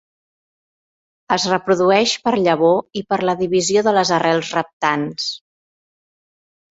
Es reprodueix per llavor i per la divisió de les arrels reptants.